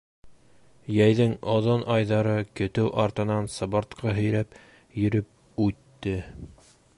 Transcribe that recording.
Йәйҙең оҙон айҙары көтөү артынан сыбыртҡы һөйрәп йөрөп үтте.